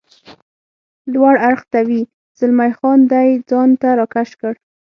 لوړ اړخ ته وي، زلمی خان دی ځان ته را کش کړ.